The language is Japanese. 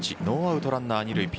ノーアウトランナー、２塁。